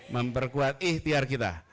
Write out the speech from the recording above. memperkuat ikhtiar kita